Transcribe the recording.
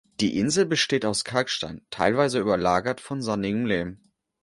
Die Insel besteht aus Kalkstein, teilweise überlagert von sandigem Lehm.